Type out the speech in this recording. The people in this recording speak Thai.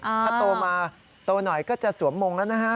ถ้าโตมาโตหน่อยก็จะสวมมงแล้วนะฮะ